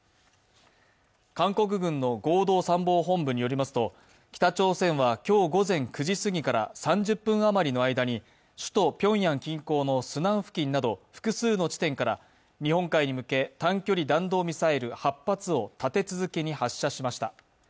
韓国軍の合同参謀本部によりますと北朝鮮は今日午前９時すぎから３０分あまりの間に首都ピョンヤン近郊のスナン付近など複数の地点から日本海に向け短距離弾道ミサイル８発を立て続けに発射しました。